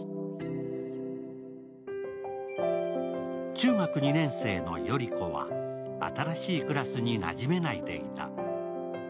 中学２年生の依子は新しいクラスになじめないでいた。